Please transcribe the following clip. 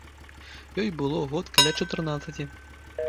Ёй было год каля чатырнаццаці.